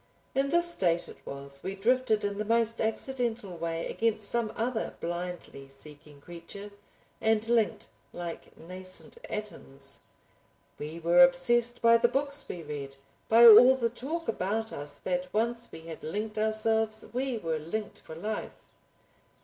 In this state it was we drifted in the most accidental way against some other blindly seeking creature, and linked like nascent atoms. We were obsessed by the books we read, by all the talk about us that once we had linked ourselves we were linked for life.